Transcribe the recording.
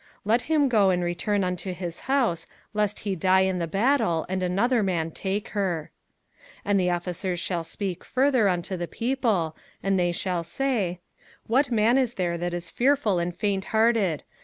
let him go and return unto his house, lest he die in the battle, and another man take her. 05:020:008 And the officers shall speak further unto the people, and they shall say, What man is there that is fearful and fainthearted?